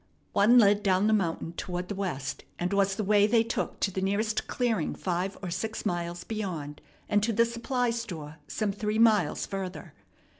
One led down the mountain toward the west, and was the way they took to the nearest clearing five or six miles beyond and to the supply store some three miles further.